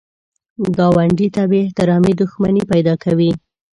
ګاونډي ته بې احترامي دښمني پیدا کوي